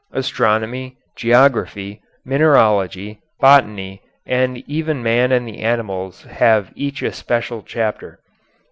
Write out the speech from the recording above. Astronomy, geography, mineralogy, botany, and even man and the animals have each a special chapter.